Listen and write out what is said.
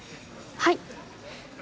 はい。